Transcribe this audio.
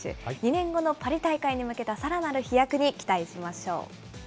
２年後のパリ大会に向けたさらなる飛躍に期待しましょう。